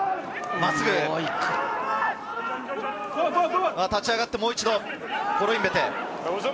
真っすぐ、立ち上がって、もう一度コロインベテ。